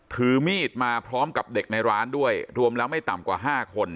ถือมีดมาพร้อมกับเด็กในร้านด้วยรวมแล้วไม่ต่ำกว่า๕คน